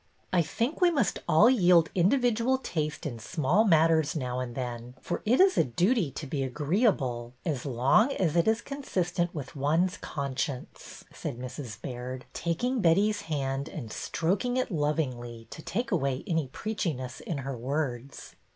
^' I think we must all yield individual taste in small matters now and then, for it is a duty to be agreeable as long as it is consistent with one's conscience," said Mrs. Baird, taking Betty's hand and stroking it lovingly to take away any preachi ness in her words.